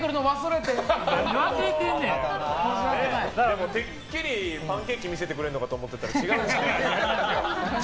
てっきりパンケーキ見せてくれるのかと思ったら違うんですね。